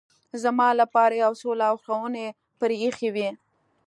زما لپاره یو څو لارښوونې پرې اېښې وې.